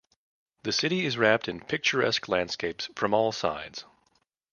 The city is wrapped in picturesque landscapes from all sides.